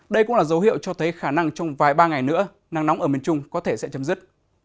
đây cũng là dấu hiệu cho thấy khả năng trong vài ba ngày nữa nắng nóng ở miền trung có thể sẽ chấm dứt